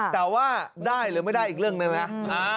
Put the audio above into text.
แต่ว่าได้หรือไม่ได้อีกเรื่องหนึ่งนะ